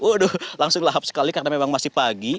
waduh langsung lahap sekali karena memang masih pagi